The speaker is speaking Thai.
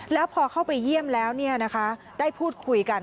แล้วพอเข้าไปเยี่ยมแล้วได้พูดคุยกัน